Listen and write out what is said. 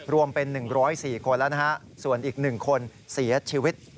รวมเป็น๑๐๔คนแล้วนะฮะส่วนอีก๑คนเสียชีวิต